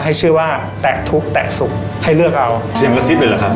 ให้ชื่อว่าแตะทุกข์แตะสุขให้เลือกเอาเสียงกระซิบเลยเหรอครับ